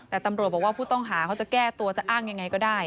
แต่ตำรวจบอกว่าผู้ต้องหาเขาจะแก้ตัวจะอ้างยังไงก็ได้